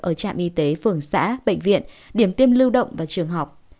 ở trạm y tế phường xã bệnh viện điểm tiêm lưu động và trường học